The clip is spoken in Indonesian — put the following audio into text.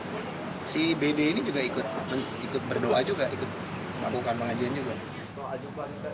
jadi si bd ini juga ikut berdoa juga ikut melakukan pengajian juga